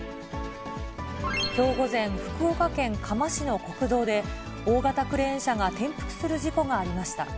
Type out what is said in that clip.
きょう午前、福岡県嘉麻市の国道で、大型クレーン車が転覆する事故がありました。